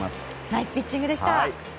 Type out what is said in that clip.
ナイスピッチングでした。